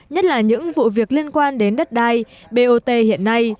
nhất là những vụ việc liên quan đến đất đai bot hiện nay